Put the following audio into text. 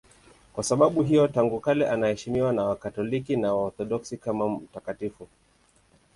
Kwa sababu hiyo tangu kale anaheshimiwa na Wakatoliki na Waorthodoksi kama mtakatifu.